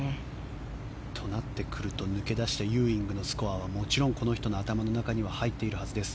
となってくると抜け出したユーイングのスコアはもちろん、この人の頭の中に入っているはずです。